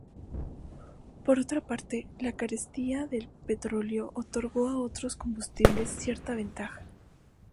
Por otra parte, la carestía del petróleo otorgó a otros combustibles cierta ventaja.